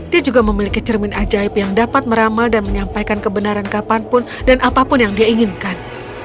dia juga memiliki cermin ajaib yang dapat meramal dan menyampaikan kebenaran kapanpun dan apapun yang dia inginkan